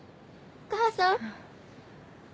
お母さん！